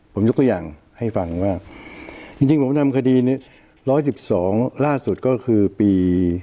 ผมยกตัวอย่างให้ฟังว่าจริงผมนำคดีนี้๑๑๒ล่าสุดก็คือปี